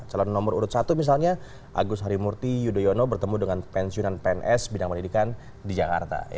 calon nomor urut satu misalnya agus harimurti yudhoyono bertemu dengan pensiunan pns bidang pendidikan di jakarta